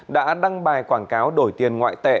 đã đăng bài quảng cáo đổi tiền ngoại tệ